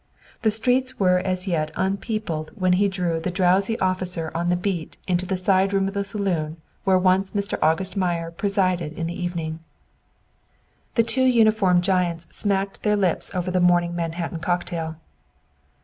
The streets were as yet unpeopled when he drew the drowsy officer on the beat into the side room of the saloon where once Mr. August Meyer presided in the evening. The two uniformed giants smacked their lips over the morning Manhattan cocktail.